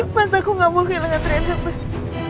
masa aku gak mau kehilangan triana bang